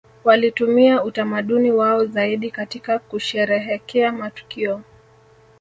Walitumia utamaduni wao zaidi katika kusherehekea matukio